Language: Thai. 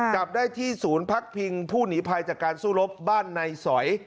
จับได้ที่ศูนย์พักพิงผู้หนีภัยจากการสู้รบบ้านในสอย